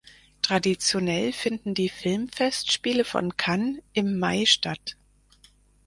Traditionell finden die Filmfestspiele von Cannes im Mai statt.